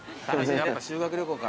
やっぱ修学旅行か。